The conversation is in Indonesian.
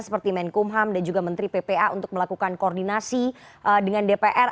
seperti menkumham dan juga menteri ppa untuk melakukan koordinasi dengan dpr